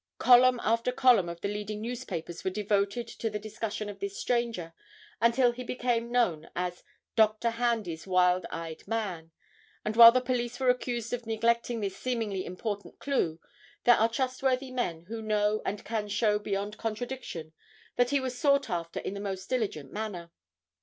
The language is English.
Column after column of the leading newspapers were devoted to the discussion of this stranger until he became known as "Dr. Handy's Wild Eyed Man," and while the police were accused of neglecting this seemingly important clue there are trustworthy men who know and can show beyond contradiction that he was sought after in the most diligent manner.